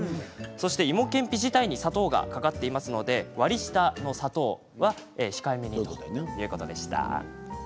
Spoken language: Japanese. そして、いもけんぴ自体に砂糖がかかっていますので割り下の砂糖は控えめにということでした。